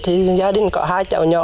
thì gia đình có hai chảo nhỏ